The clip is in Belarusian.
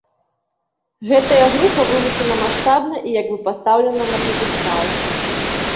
Гэтая група вылучана маштабна і як бы пастаўлена на п'едэстал.